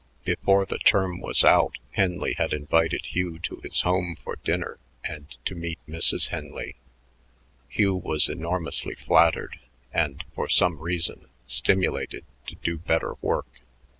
Before the term was out Henley had invited Hugh to his home for dinner and to meet Mrs. Henley. Hugh was enormously flattered and, for some reason, stimulated to do better work.